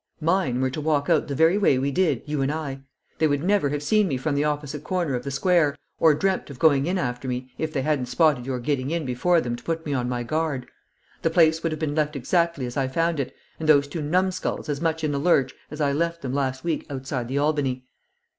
"Mine were to walk out the very way we did, you and I. They would never have seen me from the opposite corner of the square, or dreamt of going in after me if they hadn't spotted your getting in before them to put me on my guard. The place would have been left exactly as I found it, and those two numskulls as much in the lurch as I left them last week outside the Albany."